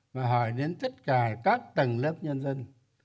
và hỏi đến tất cả các tầng lớp nhân dân